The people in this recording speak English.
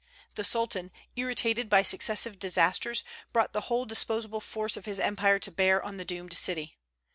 The Sultan, irritated by successive disasters, brought the whole disposable force of his empire to bear on the doomed city.